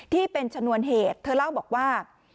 ที่เป็นชนวนเหตุเธอเล่าบอกว่า